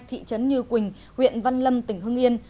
thị trấn như quỳnh huyện văn lâm tỉnh hưng yên